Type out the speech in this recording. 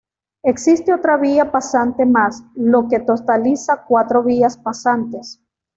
Existe otra vía pasante más, lo que totaliza cuatro vías pasantes.